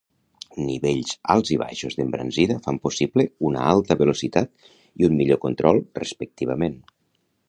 Nivells alts i baixos d'embranzida fan possible una alta velocitat i un millor control, respectivament.